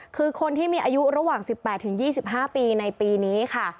คือคนที่มีอายุระหว่าง๑๘๒๕ปีในปีนี้ค่ะ